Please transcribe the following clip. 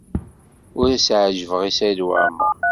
Ur as-ɛejjbeɣ i Saɛid Waɛmaṛ.